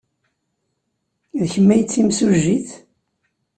D kemm ay d timsujjit?